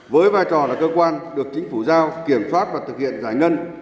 với vai trò là cơ quan được chính phủ giao kiểm soát và thực hiện giải ngân